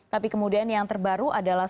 tapi kemudian yang terbaru adalah